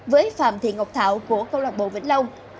với phạm thị ngọc thảo của câu lạc bộ vĩnh long